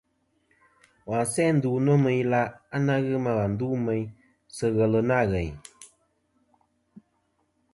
À, wa n-se ndu nô mɨ ilaʼ a nà ghɨ ma wà ndu meyn sɨ ghelɨ nâ ghèyn.